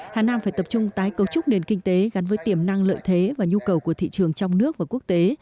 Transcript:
hà nam phải tập trung tái cấu trúc nền kinh tế gắn với tiềm năng lợi thế và nhu cầu của thị trường trong nước và quốc tế